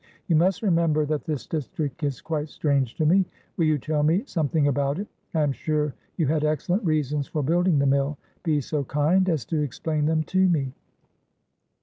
You must remember that this district is quite strange to me. Will you tell me something about it? I am sure you had excellent reasons for building the mill; be so kind as to explain them to me."